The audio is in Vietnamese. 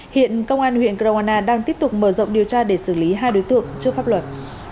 hiện công an huyện kroana đang tiếp tục mở rộng điều tra để xử lý hai đối tượng trước pháp luật